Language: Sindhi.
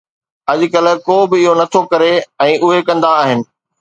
اڄڪلهه، ڪو به اهو نٿو ڪري ۽ اهي ڪندا آهن